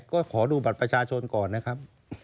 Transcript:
ก็ขอดูบัตรประชาชนก่อนนะครับ